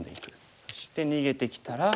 そして逃げてきたら。